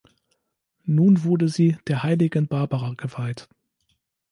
Nun wurde sie der Heiligen Barbara geweiht.